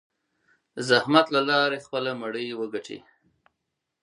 د زحمت له لارې خپله مړۍ وګټي.